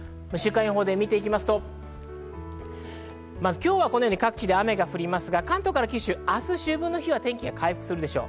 今日はこのように各地で雨が降りますが、関東から九州、明日の秋分の日は天気が回復するでしょう。